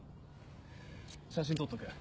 写真撮っとけ。